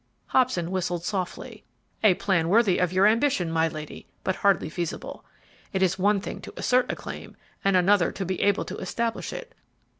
Hobson whistled softly. "A plan worthy of your ambition, my lady, but hardly feasible. It is one thing to assert a claim, and another to be able to establish it.